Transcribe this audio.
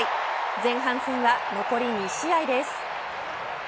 前半戦は残り２試合です。